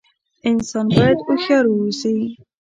انسان بايد هوښيار ووسي